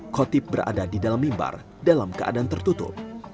kotip berada di dalam mimbar dalam keadaan tertutup